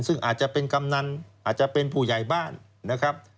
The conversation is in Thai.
ซึ่งอาจจะเป็นกำนันอาจจะเป็นผู้ใหญ่บ้านนะครับ